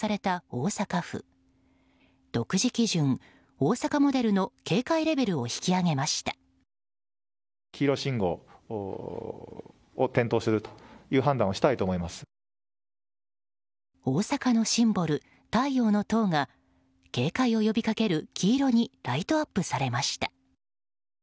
大阪のシンボル、太陽の塔が警戒を呼びかける黄色にライトアップされました。